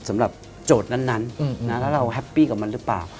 สำหรับโจทย์นั้นแล้วเราแฮปปี้กับมันหรือเปล่า